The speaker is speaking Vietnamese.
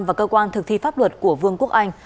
và cơ quan thực thi pháp luật của vương quốc anh